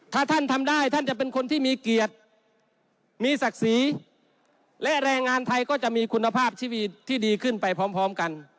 ถ้าท่านทำได้ท่านจะเป็นคนที่มีเกียรติมีศักดิ์ศรีและแรงงานไทยก็จะมีคุณภาพชีวิตที่ดีขึ้นไปพร้อมกัน